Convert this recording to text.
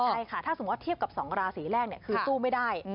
ใช่ค่ะถ้าสมมุติว่าเทียบกับสองราศีแรกเนี่ยคือสู้ไม่ได้